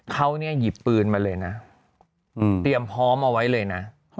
เขาเนี่ยหยิบปืนมาเลยนะเตรียมพร้อมเอาไว้เลยนะ